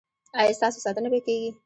ایا ستاسو ساتنه به کیږي؟